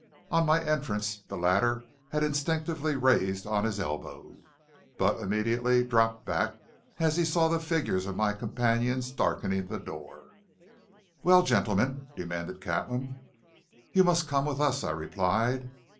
On my entrance the latter had instinctively raised on his elbow, but immediately dropped back as he saw the figures of my companions darkening the door. "Well, gentlemen?" demanded Catlin. "You must come with us," I replied.